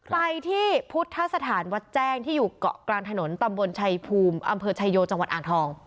ไปที่พุทธสถานวัดแจ้งที่อยู่เกาะกลางถนนตำบลชัยภูมิอำเภอชายโยจังหวัดอ่างทอง